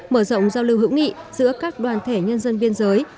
mở rộng giao lưu hữu nghị giữa các đoàn thể nhân dân biên giới